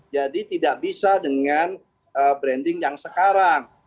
jadi tidak bisa dengan branding yang sekarang